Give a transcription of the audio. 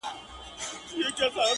پاس د وني په ښاخونو کي یو مار وو-